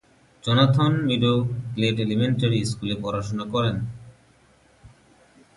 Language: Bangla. জোনাথন মিডো গ্লেড এলিমেন্টারি স্কুলে পড়াশোনা করেন।